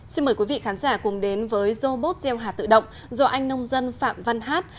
xin mời quý vị khán giả cùng đến với robot gieo hạt tự động do anh nông dân phạm văn hát